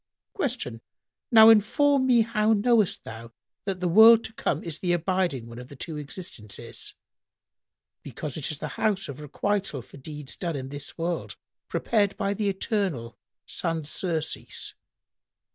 Q "Now inform me how knowest thou that the world to come is the abiding one of the two existences?"— "Because it is the house of requital for deeds done in this world prepared by the Eternal sans surcease."